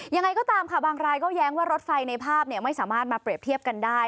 ยังไงก็ตามค่ะบางรายก็แย้งว่ารถไฟในภาพไม่สามารถมาเปรียบเทียบกันได้